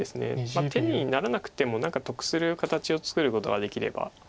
まあ手にならなくても何か得する形を作ることができれば。